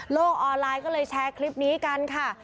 ออนไลน์ก็เลยแชร์คลิปนี้กันค่ะ